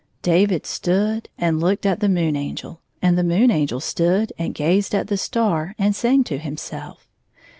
David stood and looked at the Moon Angel, and the Moon Angel stood and gazed at the star and sang to hunself.